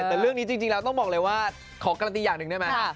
แต่เรื่องนี้จริงแล้วต้องบอกเลยว่าขอการันตีอย่างหนึ่งได้ไหม